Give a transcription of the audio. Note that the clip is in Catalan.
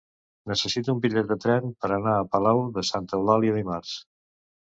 Necessito un bitllet de tren per anar a Palau de Santa Eulàlia dimarts.